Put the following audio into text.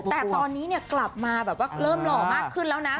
แต่ตอนนี้เนี่ยกลับมาแบบว่าเริ่มหล่อมากขึ้นแล้วนะ